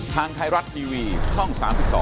ทางไทยรัฐทีวีช่อง๓๒